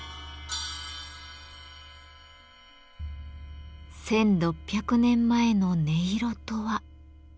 １，６００年前の音色とは。